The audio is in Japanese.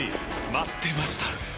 待ってました！